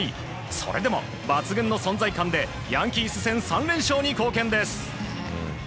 それでも抜群の存在感でヤンキース戦３連勝に貢献です。